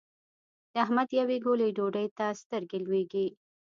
د احمد يوې ګولې ډوډۍ ته سترګې لوېږي.